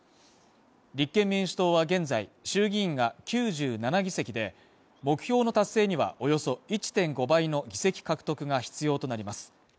立憲民主党は現在、衆議院が９７議席で、目標の達成にはおよそ１．５倍の議席獲得が必要となります。